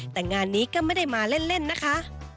แต่งานนี้ก็ไม่ได้มาเล่นนะคะ